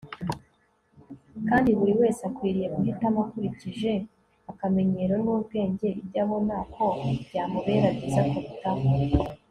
kandi buri wese akwiriye guhitamo akurikije akamenyero n'ubwenge ibyo abona ko byamubera byiza kurutaho